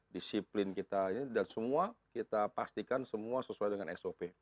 disiplin kita ini dan semua kita pastikan semua sesuai dengan sop